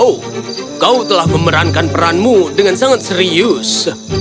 oh kau telah memerankan peranmu dengan sangat serius